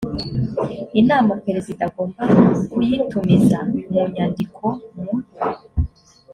inama perezida agomba kuyitumiza mu nyandiko mu